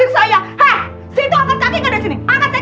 situ angkat kaki gak dari sini